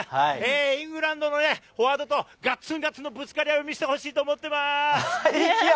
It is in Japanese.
イングランドのフォワードと、ガッツンガッツンのぶつかり合いを見せてほしいと思っています。